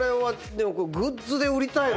でもこれグッズで売りたいな。